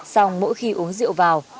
sau mỗi khi uống rượu vào